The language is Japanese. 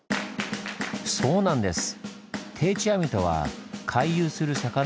そうなんです！